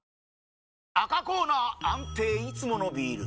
赤コーナー安定いつものビール！